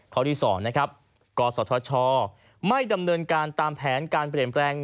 ข้อที่๒นะครับกศธชไม่ดำเนินการตามแผนการเปลี่ยนแปลง